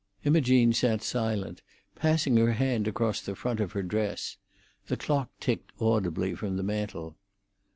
Imogene sat silent, passing her hand across the front of her dress. The clock ticked audibly from the mantel.